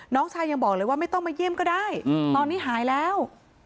น้องชายยังบอกเลยว่าไม่ต้องมาเยี่ยมก็ได้ตอนนี้หายแล้ว